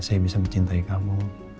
saya bisa mencintai kamu